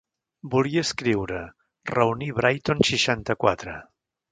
Volia escriure, reunir Brighton seixanta-quatre.